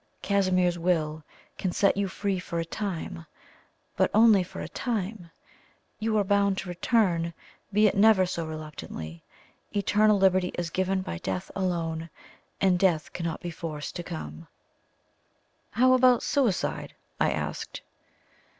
Casimir's will can set you free for a time, but only for a time. You are bound to return, be it never so reluctantly. Eternal liberty is given by Death alone, and Death cannot be forced to come." "How about suicide?" I asked.